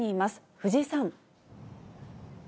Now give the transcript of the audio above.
藤井さん。